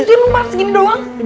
lu masih begini doang